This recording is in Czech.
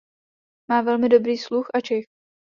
Má velmi dobrý sluch a čich.